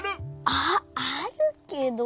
ああるけど。